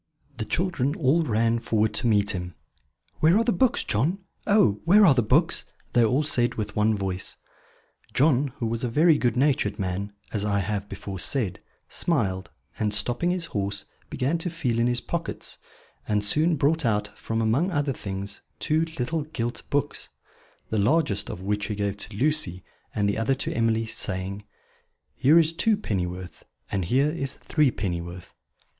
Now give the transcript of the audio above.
The children all ran forward to meet him. "Where are the books, John? Oh, where are the books?" they all said with one voice. John, who was a very good natured man, as I have before said, smiled, and, stopping his horse, began to feel in his pockets; and soon brought out, from among other things, two little gilt books; the largest of which he gave to Lucy, and the other to Emily, saying: "Here is two pennyworth and here is three pennyworth."